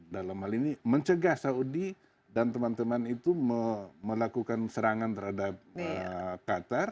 dalam hal ini mencegah saudi dan teman teman itu melakukan serangan terhadap qatar